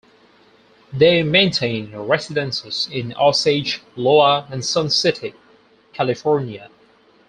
They maintained residences in Osage, Iowa and Sun City, California.